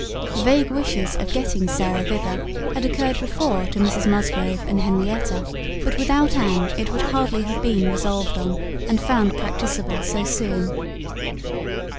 Vague wishes of getting Sarah thither, had occurred before to Mrs Musgrove and Henrietta; but without Anne, it would hardly have been resolved on, and found practicable so soon.